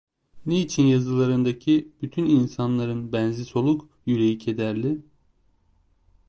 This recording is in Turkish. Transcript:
Niçin yazılarındaki bütün insanların benzi soluk, yüreği kederli?